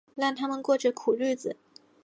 让他们过着苦日子